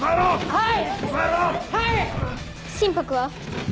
はい！